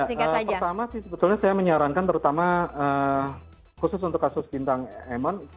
ya pertama sih sebetulnya saya menyarankan terutama khusus untuk kasus bintang emon